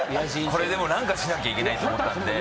これでも何かしなきゃいけないと思ったんで。